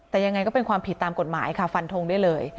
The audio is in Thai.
แต่ยังไงก็เป็นความผิดตามกฎหมายค่ะฟันทงได้เลย